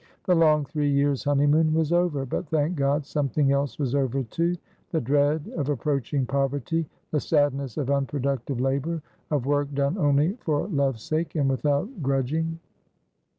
The long three years' honeymoon was over, but, thank God, something else was over too, the dread of approaching poverty, the sadness of unproductive labour, of work done only for love's sake and without grudging.